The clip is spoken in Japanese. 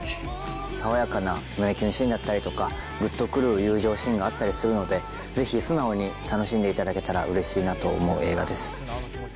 爽やかな胸キュンシーンだったりとか、ぐっとくる友情シーンがあったりするので、ぜひ素直に楽しんでいただけたらうれしいなと思う映画です。